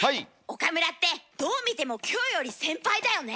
岡村ってどう見てもキョエより先輩だよね？